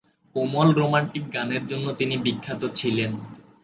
কোমল romantic গানের জন্য তিনি বিখ্যাত ছিলেন।